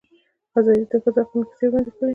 ازادي راډیو د د ښځو حقونه کیسې وړاندې کړي.